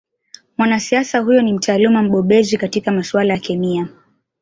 Mwanasiasa huyo ni mtaaluma mbobezi katika masuala ya kemia